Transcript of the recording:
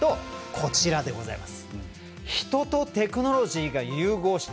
こちらでございます。